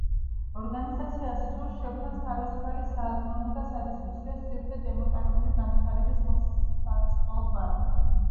ორგანიზაციას სურს შექმნას თავისუფალი სააზროვნო და სადისკუსიო სივრცე დემოკრატიული განვითარების ხელშესაწყობად.